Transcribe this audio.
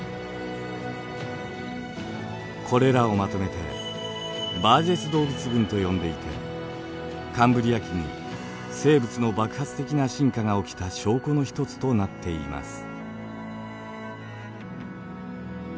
これらをまとめてバージェス動物群と呼んでいてカンブリア紀に生物の爆発的な進化が起きた証拠の一つとなっています。